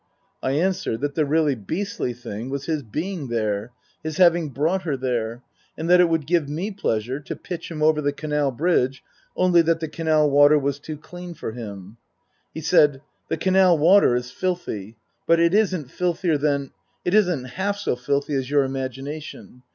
I answered that the really beastly thing was his being there ; his having brought her there ; and that it would give me pleasure to pitch him over the canal bridge, only that the canal water was too clean for him. He said, " The canal water is filthy. But it isn't filthier than it isn't half so filthy as your imagination.